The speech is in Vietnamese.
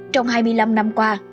trong hai mươi năm năm qua